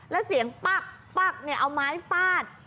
แล้วเสียงปั๊กปั๊กเอาไม้ฟาด